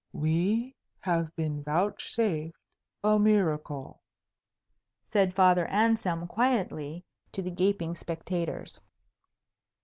"We have been vouchsafed a miracle," said Father Anselm quietly, to the gaping spectators.